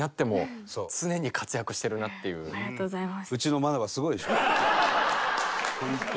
ありがとうございます。